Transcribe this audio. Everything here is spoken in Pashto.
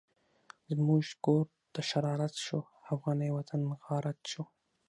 زمونږ کور دشرارت شو، افغانی وطن غارت شو